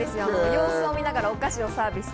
様子を見ながら、お菓子をサービス。